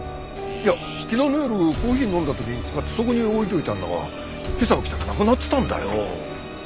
いや昨日の夜コーヒー飲んだ時に使ってそこに置いておいたんだが今朝起きたらなくなってたんだよ。